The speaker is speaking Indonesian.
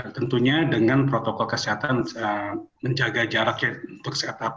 tentunya dengan protokol kesehatan menjaga jaraknya untuk setup